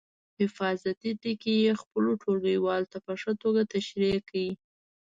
حفاظتي ټکي یې خپلو ټولګیوالو ته په ښه توګه تشریح کړئ.